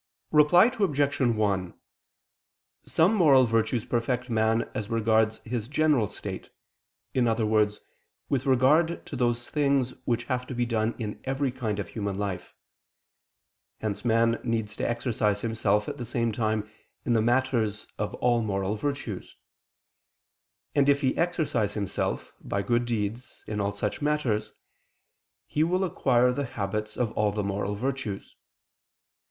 Reply Obj. 1: Some moral virtues perfect man as regards his general state, in other words, with regard to those things which have to be done in every kind of human life. Hence man needs to exercise himself at the same time in the matters of all moral virtues. And if he exercise himself, by good deeds, in all such matters, he will acquire the habits of all the moral virtues.